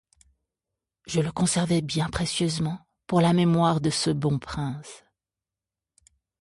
Je le conservai bien précieusement, pour la mémoire de ce bon prince.